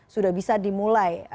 sudah bisa dimulai